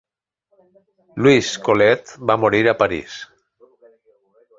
Louise Colet va morir a París.